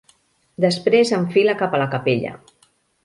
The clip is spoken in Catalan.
Després enfila cap a la capella.